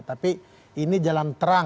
tapi ini jalan terang